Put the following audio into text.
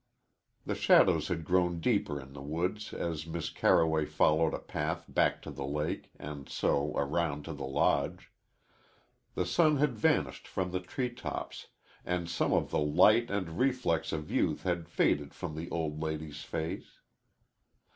The shadows had grown deeper in the woods as Miss Carroway followed a path back to the lake, and so around to the Lodge. The sun had vanished from the tree tops, and some of the light and reflex of youth had faded from the old lady's face.